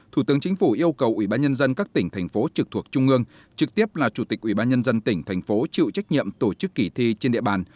thủ tướng chính phủ yêu cầu ubnd các tỉnh thành phố trực thuộc trung ương trực tiếp là chủ tịch ubnd tỉnh thành phố chịu trách nhiệm tổ chức kỳ thi trên địa bàn